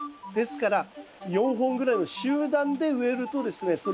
ですから４本ぐらいの集団で植えるとですね